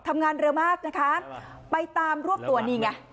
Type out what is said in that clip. ทำงานเร็วมากนะคะไปตามรวบตัวนี่ไง